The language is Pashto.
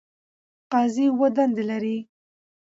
قاضی اووه دندې لري.